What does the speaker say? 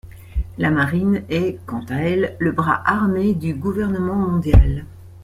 La Marine est, quant à elle, le bras armé du Gouvernement Mondial.